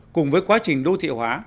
cùng với quá trình đô thị hóa